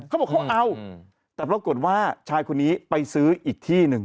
เขาบอกเขาเอาแต่ปรากฏว่าชายคนนี้ไปซื้ออีกที่หนึ่ง